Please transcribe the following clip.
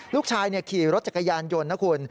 ลูกชายขี่รถจักรยานยนต์นะคุณ